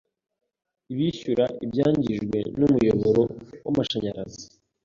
ibishyura ibyangijwe n'umuyoboro w'amashanyarazi